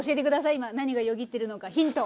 今何がよぎってるのかヒントを！